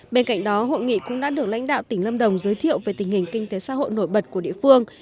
bên cạnh đó hội nghị cũng đã được lãnh đạo tỉnh lâm đồng giới thiệu về tình hình kinh tế xã hội nổi bật của địa phương